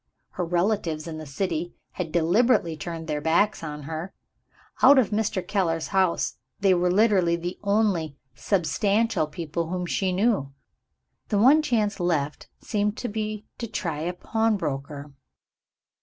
Her relatives in the city had deliberately turned their backs on her. Out of Mr. Keller's house, they were literally the only "substantial" people whom she knew. The one chance left seemed to be to try a pawnbroker.